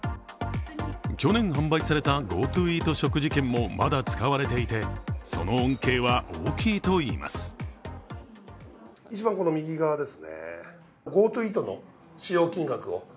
去年販売されたＧｏＴｏイート食事券もまだ使われていてその恩恵は、大きいといいます。